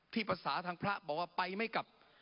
ภาษาทางพระบอกว่าไปไม่กลับ